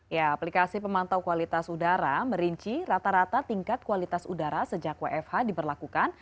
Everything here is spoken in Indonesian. ya aplikasi pemantau kualitas udara merinci rata rata tingkat kualitas udara sejak wfh diberlakukan